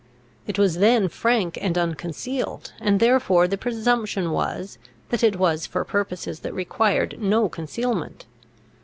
It was then frank and unconcealed; and therefore the presumption was, that it was for purposes that required no concealment.